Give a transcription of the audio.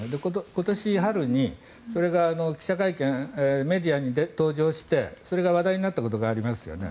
今年春に、それが記者会見メディアに登場してそれが話題になったことがありますよね。